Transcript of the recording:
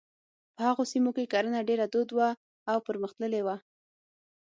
په هغو سیمو کې کرنه ډېره دود وه او پرمختللې وه.